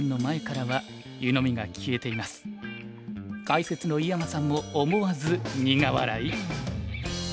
解説の井山さんも思わず苦笑い？